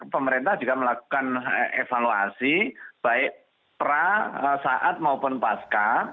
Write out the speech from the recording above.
pemerintah juga melakukan evaluasi baik pra saat maupun pasca